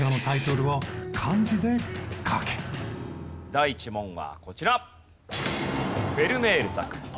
第１問はこちら。